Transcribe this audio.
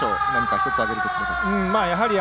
１つ挙げるとすると。